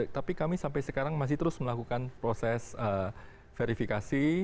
tapi kami sampai sekarang masih terus melakukan proses verifikasi